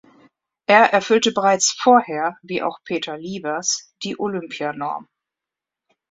Er erfüllte bereits vorher, wie auch Peter Liebers, die Olympianorm.